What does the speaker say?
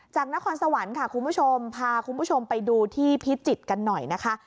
นครสวรรค์ค่ะคุณผู้ชมพาคุณผู้ชมไปดูที่พิจิตรกันหน่อยนะคะ